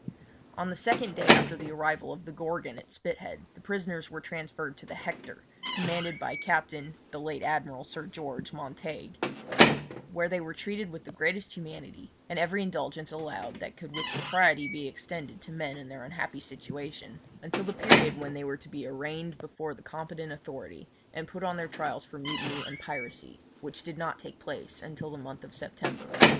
On the second day after the arrival of the Gorgon at Spithead the prisoners were transferred to the Hector, commanded by Captain (the late Admiral Sir George) Montague, where they were treated with the greatest humanity, and every indulgence allowed that could with propriety be extended to men in their unhappy situation, until the period when they were to be arraigned before the competent authority, and put on their trials for mutiny and piracy, which did not take place until the month of September.